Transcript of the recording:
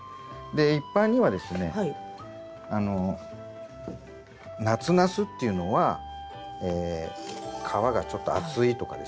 で一般にはですね夏ナスっていうのは皮がちょっと厚いとかですね